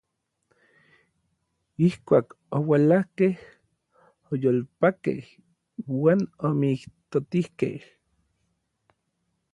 Ijkuak oualakej, oyolpakej uan omijtotijkej.